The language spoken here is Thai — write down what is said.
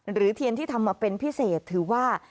เทียนที่ทำมาเป็นพิเศษถือว่า